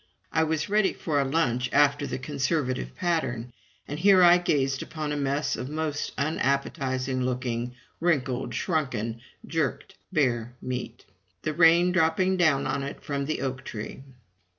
I was ready for a lunch after the conservative pattern, and here I gazed upon a mess of most unappetizing looking, wrinkled, shrunken, jerked bear meat, the rain dropping down on it through the oak tree.